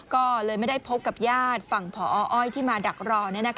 ก็เลยไม่ได้พบกับญาติฝั่งพออ้อยที่มาดักรอ